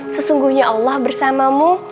sesungguhnya allah bersamamu